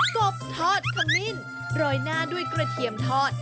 กบทอดขมิ้นโรยหน้าด้วยกระเทียมทอด